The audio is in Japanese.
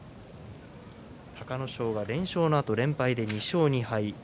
隆の勝が連勝のあと連敗で２勝２敗です。